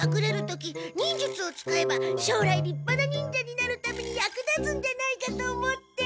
時忍術を使えばしょうらい立派な忍者になるために役立つんじゃないかと思って。